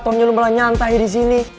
ternyata lu malah nyantai di sini